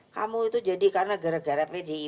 kamu itu jadi karena gara gara pdi